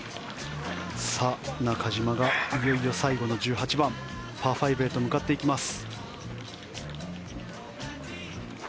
中島がいよいよ最後の１８番パー５へ向かいます。